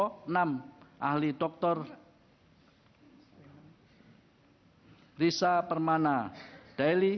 enam ahli doktor risa permana daeli